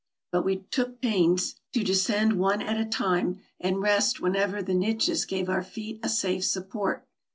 But we took pains to descend one at a time, and rest wherever the niches gave our feet a safe sup port.